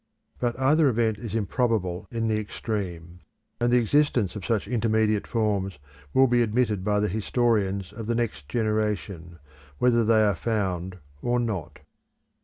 But either event is improbable in the extreme; and the existence of such intermediate forms will be admitted by the historians of the next generation, whether they are found or not.